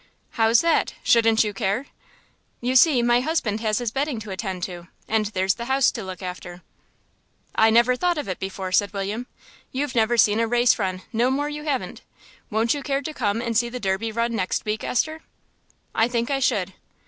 "How's that, shouldn't you care?" "You see, my husband has his betting to attend to, and there's the house to look after." "I never thought of it before," said William. "You've never seen a race run, no more you haven't. Would you care to come and see the Derby run next week, Esther?" "I think I should."